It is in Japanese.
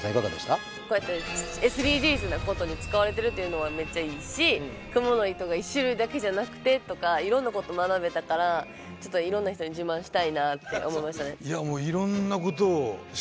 こうやってＳＤＧｓなことに使われてるっていうのはめっちゃいいしクモの糸が１種類だけじゃなくてとかいろんなこと学べたからちょっといろんな人に自慢したいなって思いましたね。